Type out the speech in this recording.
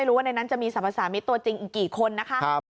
ว่าในนั้นจะมีสรรพสามิตรตัวจริงอีกกี่คนนะคะ